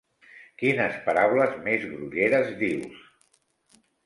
Quines paraules més grolleres dius!